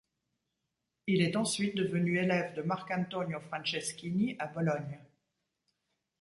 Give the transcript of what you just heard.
Il est ensuite devenu élève de Marcantonio Franceschini à Bologne.